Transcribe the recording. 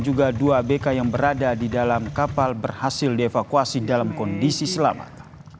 juga dua abk yang berada di dalam kapal berhasil dievakuasi dalam kondisi selamat